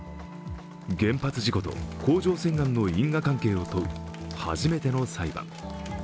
原発事故と甲状腺がんの因果関係を問う初めての裁判。